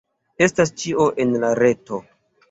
Estas ĉio en la reto.